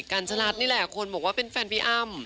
กัญชลัดนี่แหละคนบอกว่าเป็นแฟนพี่อ้ำ